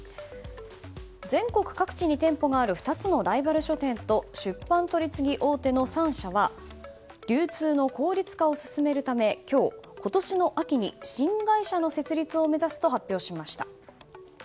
全国各地に店舗がある２つのライバル書店と出版取次大手の３社は流通の効率化を進めるため今日、今年の秋に新会社の設立を目指すと発表しました。